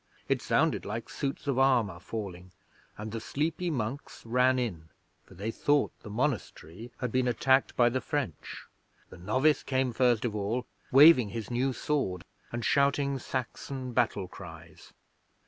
It sounded like suits of armour falling, and the sleepy monks ran in, for they thought the monastery had been attacked by the French. The novice came first of all, waving his new sword and shouting Saxon battle cries.